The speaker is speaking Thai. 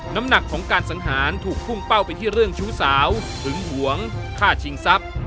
น้ำหนักของการสังหารถูกพุ่งเป้าไปที่เรื่องชู้สาวหึงหวงฆ่าชิงทรัพย์